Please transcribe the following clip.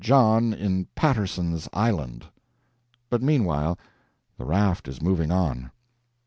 John in Patterson's Island." But meanwhile the raft is moving on.